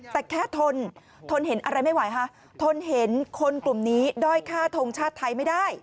แต่แค่ทนทนเห็นอะไรไม่ไหวค่ะทนเห็นคนกลุ่มนี้ด้อยฆ่าทงชาติไทยไม่ได้